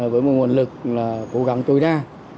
với một nguồn lực là cố gắng tối đa